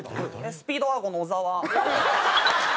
スピードワゴンの小沢。